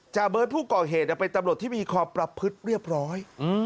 เบิร์ตผู้ก่อเหตุเป็นตำรวจที่มีความประพฤติเรียบร้อย